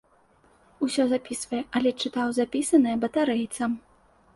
Усё запісвае, але чытаў запісанае батарэйцам.